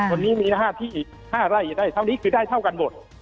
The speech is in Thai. วันนี้มี๕ที่๕ไร่จะได้เท่านี้คือได้เท่ากันหมด